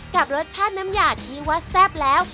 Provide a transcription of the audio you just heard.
กับรสชาติน้ำยาที่ว่าแซ่บแล้ว